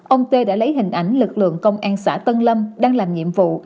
ông tê đã lấy hình ảnh lực lượng công an xã tân lâm đang làm nhiệm vụ